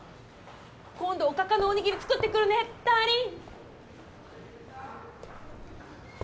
今度おかかのお握り作ってくるねダーリン！